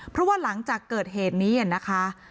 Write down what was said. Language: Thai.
เพราะว่าหลังจากเกิดเหตุนี้นะคะ